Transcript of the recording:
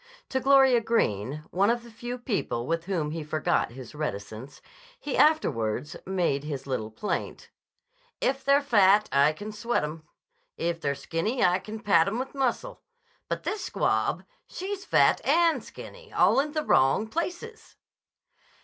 To Gloria Greene, one of the few people with whom he forgot his reticence, he afterwards made his little plaint. "If they're fat, I can sweat 'em. If they're skinny, I can pad 'em with muscle. But this squab, she's fat and skinny all in the wrong places."